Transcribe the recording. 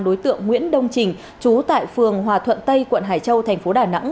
đối tượng nguyễn đông trình trú tại phường hòa thuận tây quận hải châu thành phố đà nẵng